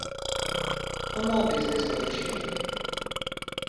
Como o ves desde hoxe?